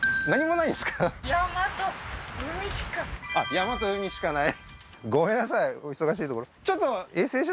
山と海しかない？